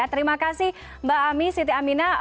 terima kasih mbak ami siti aminah